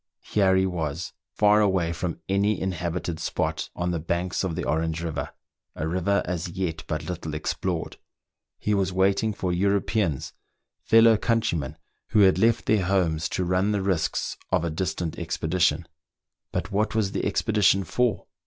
Here he was, far away from any inhabited spot, on the banks of the Orange river, a river as yet but little explored. He was waiting for Europeans, fellow countrymen who had left their homes to run the risks of a distant expedition. But what was the expedition for.?